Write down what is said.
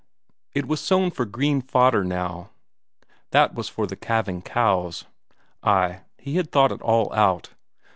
It was, sown for green fodder now; that was for the calving cows. Ay, he had thought it all out.